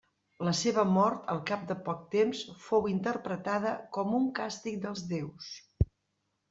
La seva mort al cap de poc temps fou interpretada com un càstig dels déus.